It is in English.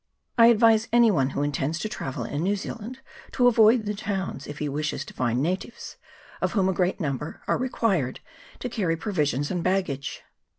I advise any one who intends to travel in New Zealand to avoid the towns, if he wishes to find natives, of whom a great number are re quired to carry provisions and baggage.